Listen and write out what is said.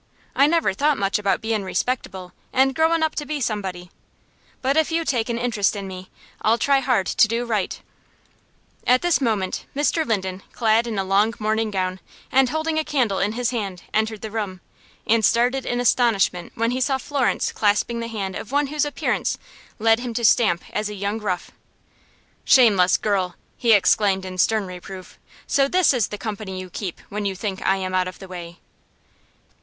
I never thought much about bein' respectable, and growin' up to be somebody, but if you take an interest in me, I'll try hard to do right." At this moment, Mr. Linden, clad in a long morning gown, and holding a candle in his hand, entered the room, and started in astonishment when he saw Florence clasping the hand of one whose appearance led him to stamp as a young rough. "Shameless girl!" he exclaimed, in stern reproof. "So this is the company you keep when you think I am out of the way!"